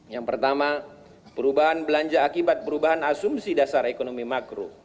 yang pertama perubahan belanja akibat perubahan asumsi dasar ekonomi makro